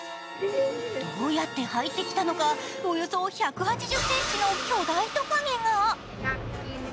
どうやって入ってきたのかおよそ１８０ｃｍの巨大とかげが。